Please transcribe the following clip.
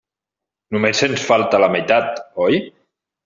Només ens en falta la meitat, oi?